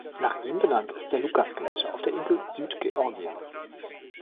Nach ihm benannt ist der Lucas-Gletscher auf der Insel Südgeorgien.